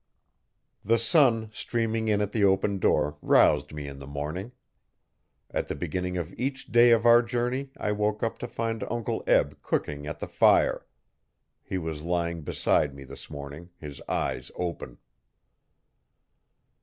The sun, streaming in at the open door, roused me in the morning. At the beginning of each day of our journey I woke to find Uncle Eb cooking at the fire. He was lying beside me, this morning, his eyes open.